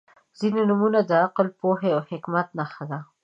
• ځینې نومونه د عقل، پوهې او حکمت نښه ده.